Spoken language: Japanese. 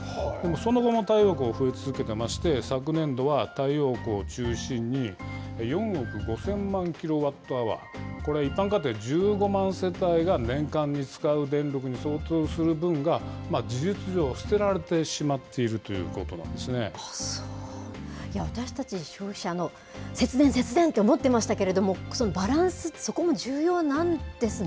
その後も太陽光増え続けてまして、昨年度は太陽光を中心に、４億５０００万キロワットアワー、これは一般家庭１５万世帯が年間に使う電力に相当する分が、事実上、捨てられてしまっているということなん私たち消費者も、節電、節電と思ってましたけど、バランス、そこも重要なんですね。